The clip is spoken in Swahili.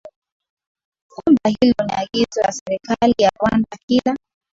kwamba hilo ni agizo la serikali ya rwanda kila